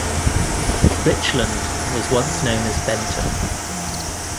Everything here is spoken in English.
Richland was once known as Benton.